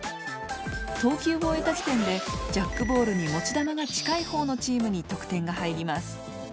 投球を終えた時点でジャックボールに持ち球が近いほうのチームに得点が入ります。